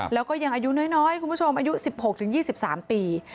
แล้วก็ยังอายุน้อยคุณผู้ชมอายุ๑๖๒๓ปี